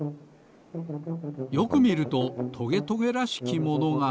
よくみるとトゲトゲらしきものが。